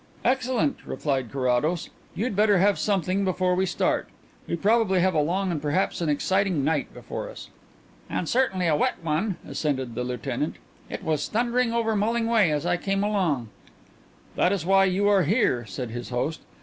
"Excellent," replied Carrados. "You'd better have something before we start. We probably have a long and perhaps an exciting night before us." "And certainly a wet one," assented the lieutenant. "It was thundering over Mulling way as I came along." "That is why you are here," said his host.